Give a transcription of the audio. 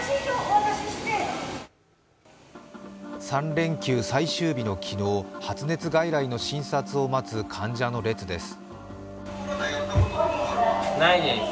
３連休最終日の昨日、発熱外来の診察を待つ患者の列です。